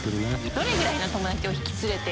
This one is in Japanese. どれぐらいの友達を引き連れて。